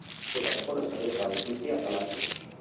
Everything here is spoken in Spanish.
Se casó con Antonieta Urrutia Palacios.